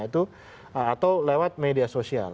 itu atau lewat media sosial